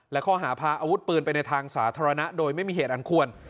และข้อหาพาอาวุธปืนไปในทางสาธารณะโดยไม่มีเหตุอันควร